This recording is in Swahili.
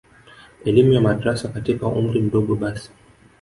elimu ya madrasa katika umri mdogo basi